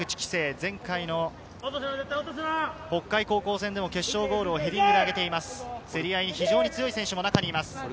前回、北海高校戦で、決勝ゴールをヘディングで上げています。